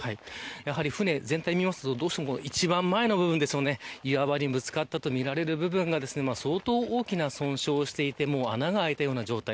やはり、舟全体を見ると一番前の部分岩にぶつかったとみられる部分が相当と大きな損傷していて穴が開いたような状態。